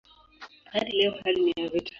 Hadi leo hali ni ya vita.